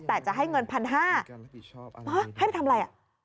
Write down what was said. แต่จะให้เงิน๑๕๐๐บาทให้ไปทำอะไรอ่ะ